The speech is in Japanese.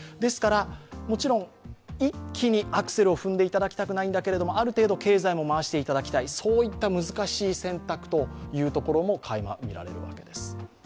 もちろん一気にアクセルを踏んでいただきたくないんだけれども、ある程度、経済も回していただきたい、そういった難しい選択というところもかいま見えます。